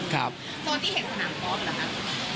โซนที่เห็นสนามกอล์ฟเหรอครับ